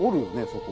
そこ。